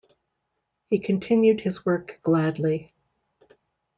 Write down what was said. He continued his work gladly.